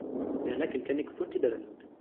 Yerna akken kan i keffunt i d-rennunt.